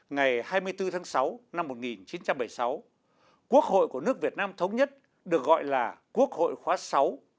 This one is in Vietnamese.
ngày hai mươi bốn tháng sáu năm một nghìn chín trăm bảy mươi sáu quốc hội của nước việt nam thống nhất được gọi là quốc hội khóa sáu